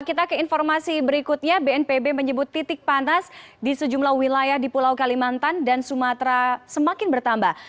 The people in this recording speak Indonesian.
kita ke informasi berikutnya bnpb menyebut titik panas di sejumlah wilayah di pulau kalimantan dan sumatera semakin bertambah